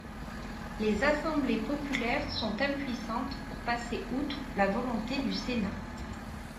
Les assemblées populaires sont impuissantes pour passer outre la volonté du Sénat.